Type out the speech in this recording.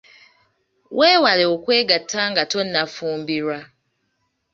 Weewale okwegatta nga tonnafumbirwa.